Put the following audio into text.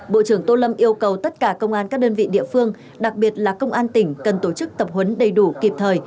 bộ trưởng tô lâm yêu cầu tất cả công an các đơn vị địa phương đặc biệt là công an tỉnh cần tổ chức tập huấn đầy đủ kịp thời